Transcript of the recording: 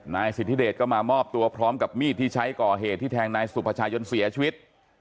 นายสิทธิเดชก็มามอบตัวพร้อมกับมีดที่ใช้ก่อเหตุที่แทงนายสุภายนเสียชีวิต